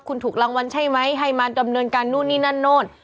คุณถูกรางวัลใช่ไหมให้มาดำเนินการนู่นนี่นั่นนู่น